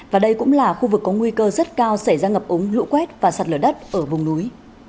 và đây cũng là khu vực có nguy cơ rất cao xảy ra ngập ống lũ quét và sạt lở đất ở vùng núi